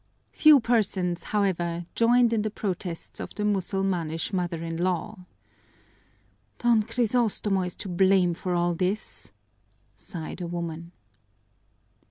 Few persons, however, joined in the protests of the Mussulmanish mother in law. "Don Crisostomo is to blame for all this," sighed a woman.